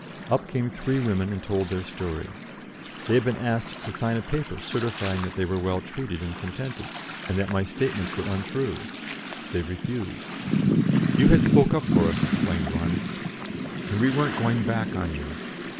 Up came three women and told their story: they had been asked to sign a paper certifying that they were well treated and contented, and that my statements were untrue; they refused. "You had spoke up for us," explained one, "and we weren't going back on you."